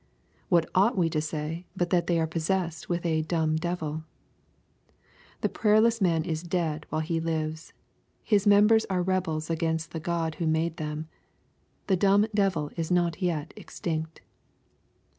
What ought we to say but that they are possessed with a " dumb devil ?" The prayerless man is dead while he lives. His members are rebels against the God who made them. The " dumb devil" is not yet extinct.